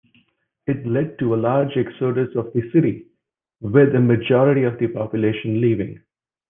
It led to a large exodus of the city, with a majority of the population leaving.